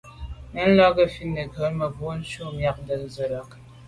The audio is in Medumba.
Mɛ́n la' gə̀ fít nə̀ bə́ gə̀brǒ nû myɑ̂k zə̀ lá'.